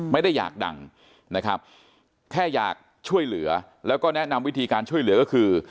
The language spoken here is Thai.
ไม่ได้อยากดังนะครับแค่อยากช่วยเหลือแล้วก็แนะนำวิธีการช่วยเหลือก็คือ